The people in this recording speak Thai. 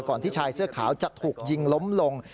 ที่ชายเสื้อขาวจะถูกยิงล้มลง